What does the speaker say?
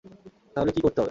তাহলে কী করতে হবে?